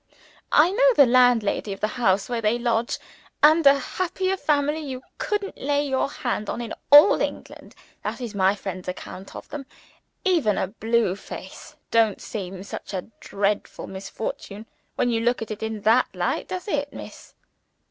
I know the landlady of the house where they lodge and a happier family you couldn't lay your hand on in all England. That is my friend's account of them. Even a blue face don't seem such a dreadful misfortune, when you look at it in that light does it, Miss?"